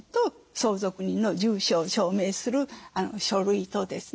相続人の住所を証明する書類とですね